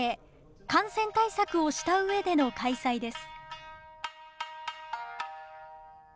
感染対策をしたうえでの開催です。